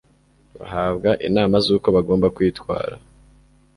bahabwa inama z'uko bagomba kwitwara